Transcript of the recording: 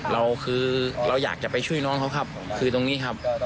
เราคือเราอยากจะไปช่วยน้องเขาครับคือตรงนี้ครับ